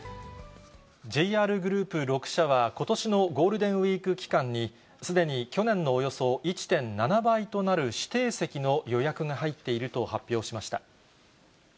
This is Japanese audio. ＪＲグループ６社は、ことしのゴールデンウィーク期間に、すでに去年のおよそ１．７倍となる指定席の予約が入っていると発表しました。